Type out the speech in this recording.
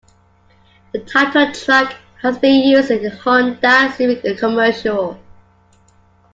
The title track has been used in a Honda Civic commercial.